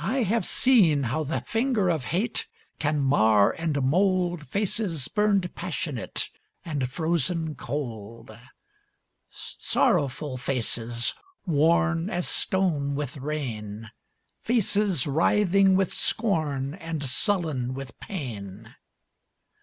I have seen how the finger of hate Can mar and mold Faces burned passionate And frozen cold. Sorrowful faces worn As stone with rain, Faces writhing with scorn And sullen with pain.